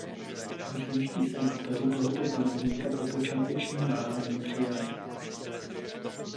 Římští senátoři tohoto panovníka po počátečním váhání přijali.